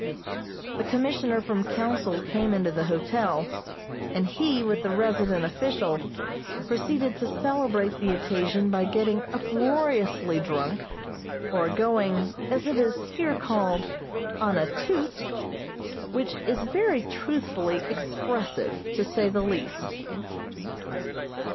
The Commissioner from Council came into the hotel, and he, with the resident official, proceeded to celebrate the occasion by getting uproariously drunk, or going, as it is here called, "on a toot," which is very truthfully expressive, to say the least.